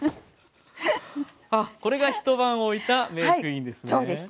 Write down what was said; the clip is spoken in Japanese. あっこれが一晩おいたメークインですね。